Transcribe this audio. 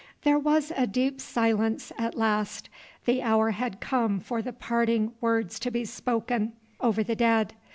There was a deep silence at last. The hour had come for the parting words to be spoken over the dead.